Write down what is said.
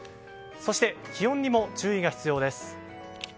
そして、気温にも注意が必要です。